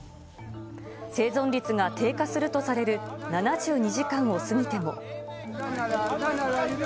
生存率が低下するとされる７２時間を過ぎても。